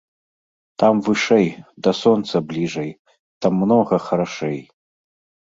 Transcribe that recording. Там вышай, да сонца бліжай, там многа харашэй.